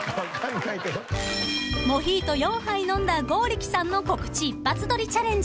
［モヒート４杯飲んだ剛力さんの告知一発撮りチャレンジ］